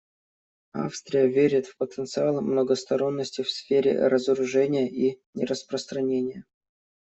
Австрия верит в потенциал многосторонности в сфере разоружения и нераспространения.